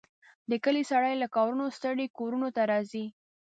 د کلي سړي له کارونو ستړي کورونو ته راځي.